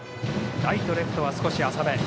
ライト、レフトは少し浅め。